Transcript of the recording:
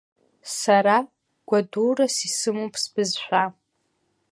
Сара гәадурас исымоуп сбызшәа.